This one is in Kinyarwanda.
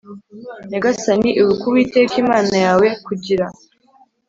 nyagasani ibuka Uwiteka Imana yawe kugira